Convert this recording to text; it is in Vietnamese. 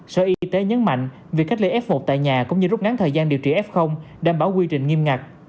sở y tế nhấn mạnh việc cách ly f một tại nhà cũng như rút ngắn thời gian điều trị f đảm bảo quy trình nghiêm ngặt